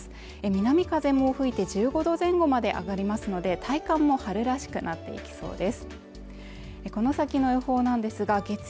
南風も吹いて１５度前後まで上がりますので体感も春らしくなっていきそうです